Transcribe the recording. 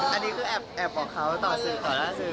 อันนี้คือแอบบอกเขาต่อสื่อต่อหน้าสื่อ